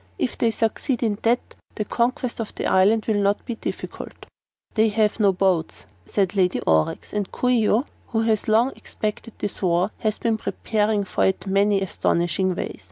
If they succeed in that, the conquest of the island will not be difficult." "They have no boats," said Lady Aurex, "and Coo ee oh, who has long expected this war, has been preparing for it in many astonishing ways.